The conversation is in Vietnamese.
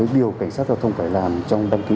điều cảnh sát giao thông phải làm trong đăng ký